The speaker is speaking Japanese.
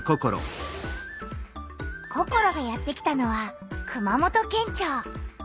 ココロがやって来たのは熊本県庁。